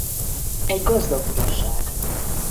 Egy gazdag uraság.